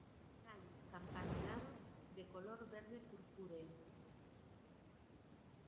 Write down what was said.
Cáliz campanulado, de color verde-purpúreo.